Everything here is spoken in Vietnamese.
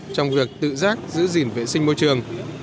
trong việc tự giác giữ gìn vệ sinh môi trường